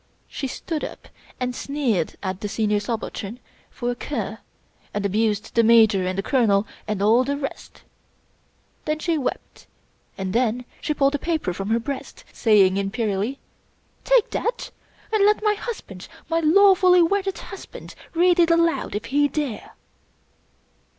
She stood up and sneered at the Senior Subaltern for a cur, and abused the Major and the Colonel and all the rest. Then she wept, and then she pulled a paper from her breast, saying imperially :" Take that! And let my husband — ^my lawfully wedded husband — read it aloud — if he dare